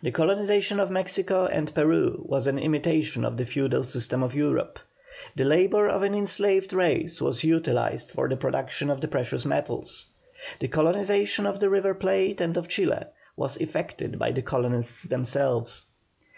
The colonization of Mexico and Peru was an imitation of the feudal system of Europe; the labour of an enslaved race was utilized for the production of the precious metals. The colonization of the River Plate and of Chile was effected by the colonists themselves.